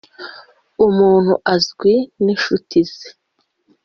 umuntu azwi n'inshuti ze